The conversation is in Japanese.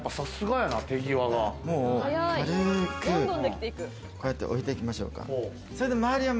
もう軽く、こうやっておいていきましょうか。